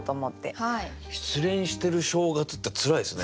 失恋してる正月ってつらいですね。